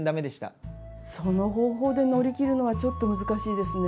その方法で乗り切るのはちょっと難しいですね。